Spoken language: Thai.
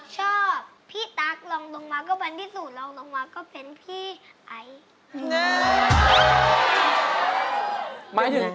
คิดถึง